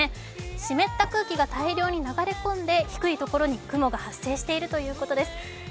湿った空気が大量に流れ込んで低いところに雲が発達したということなんですね。